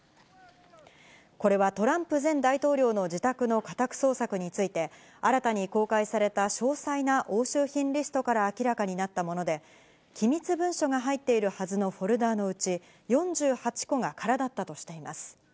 これはトランプ前大統領の自宅の家宅捜索について、新たに公開された詳細な押収品リストから明らかになったもので、機密文書が入っているはずのフォルダーのうち、４８個が空だったとしています。